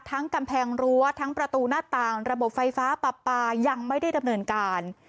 กำแพงรั้วทั้งประตูหน้าต่างระบบไฟฟ้าปรับปลายังไม่ได้ดำเนินการ